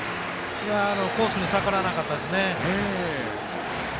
コースに逆らわなかったですね。